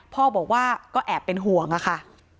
พ่อบอกว่าก็แอบเป็นห่วงอะค่ะ